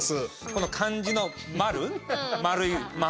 この漢字の「丸」丸い「丸」。